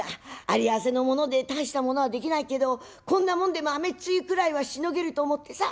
有り合わせのもので大したものはできないけどこんなもんでも雨っ露くらいはしのげると思ってさ」。